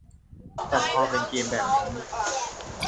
แต่พอเป็นเกมแบบนี้